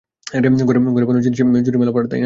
ঘরে বানানো জিনিসের জুড়ি মেলা ভার, তাই না?